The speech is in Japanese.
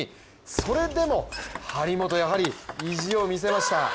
それでも張本、やはり意地を見せました。